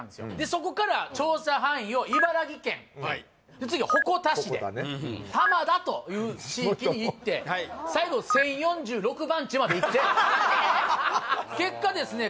そこから調査範囲を茨城県で次鉾田市で玉田という地域に行って最後１０４６番地までいって結果ですね